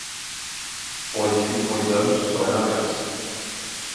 Pour les hommes, ce serait l'inverse.